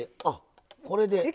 あっこれで。